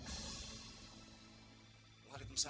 beliau bercolot mas